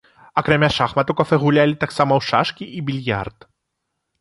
Акрамя шахмат у кафэ гулялі таксама ў шашкі і більярд.